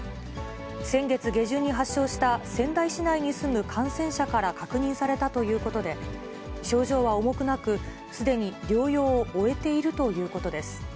先月下旬に発症した、仙台市内に住む感染者から確認されたということで、症状は重くなく、すでに療養を終えているということです。